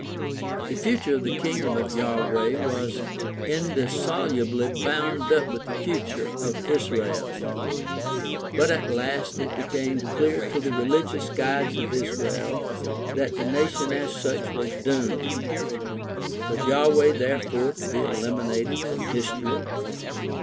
The future of the Kingdom of Yahweh was indissolubly bound up with the future of Israel. But at last it became clear to the religious guides of Israel that the nation as such was doomed. Was Yahweh therefore to be eliminated from history